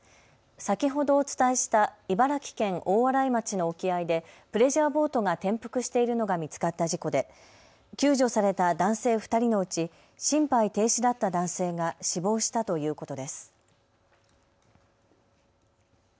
先ほどお伝えした茨城県大洗町の沖合でプレジャーボートが転覆しているのが見つかった事故で救助された男性２人のうち心肺停止だった男性が死亡したということです。